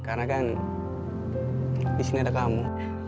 karena kan disini ada kamu